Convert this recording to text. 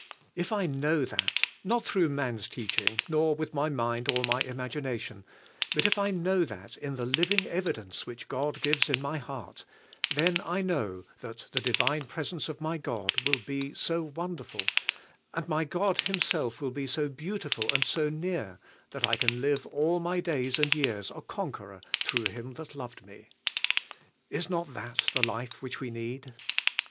If I know that, not through man's teaching, not with my mind or my imagination; but if I know that, in the living evidence which God gives in my heart, then I know that the divine presence of my God will be so wonderful, and my God Himself will be so beautiful, and so near, that I can live all my days and years a conqueror through Him that loved me. Is not that the life which we need?